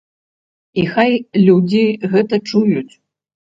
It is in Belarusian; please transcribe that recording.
І хай людзі гэта чуюць!